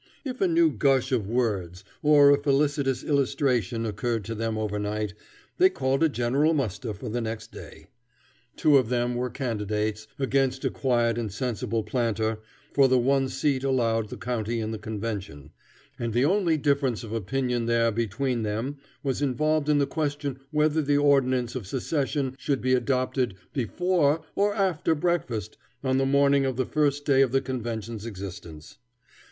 If a new gush of words or a felicitous illustration occurred to them overnight, they called a general muster for the next day. Two of them were candidates, against a quiet and sensible planter, for the one seat allowed the county in the convention, and the only difference of opinion there was between them was involved in the question whether the ordinance of secession should be adopted before or after breakfast on the morning of the first day of the convention's existence.